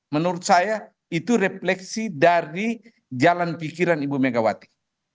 menurut saya itu refleksi dari jalan pikiran ibu megawati